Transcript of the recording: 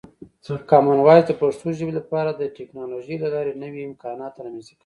کامن وایس د پښتو ژبې لپاره د ټکنالوژۍ له لارې نوې امکانات رامنځته کوي.